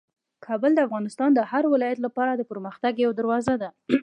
کابل د افغانستان د هر ولایت لپاره د پرمختګ یوه دروازه ده.